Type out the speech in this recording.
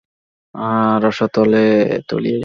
কেননা, পুরুষমানুষের ধর্মই হচ্ছে রসাতলে তলিয়ে যাওয়া।